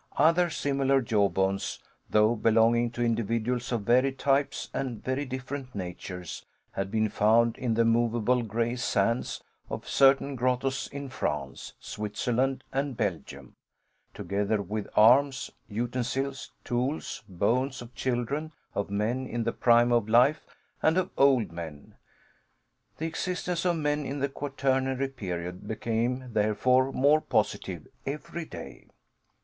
Other similar jawbones, though belonging to individuals of varied types and very different natures, had been found in the movable grey sands of certain grottoes in France, Switzerland, and Belgium; together with arms, utensils, tools, bones of children, of men in the prime of life, and of old men. The existence of men in the Quaternary period became, therefore, more positive every day.